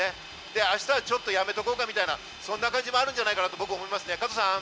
で、明日はちょっとやめとこうかみたいな、そんな感じもあるんじゃないかなと僕は思いますね。